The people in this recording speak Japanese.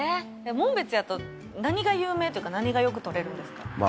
紋別やと何が有名というか何がよく取れるんですか。